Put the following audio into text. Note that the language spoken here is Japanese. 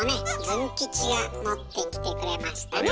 ズン吉が持ってきてくれましたね。